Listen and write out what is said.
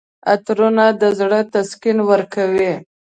عطرونه د زړه تسکین ورکوي.